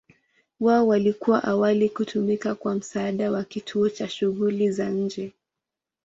Wao walikuwa awali kutumika kwa msaada wa kituo cha shughuli za nje.